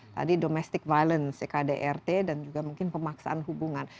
tadi domestic violence ekdrt dan juga mungkin pemaksaan hubungan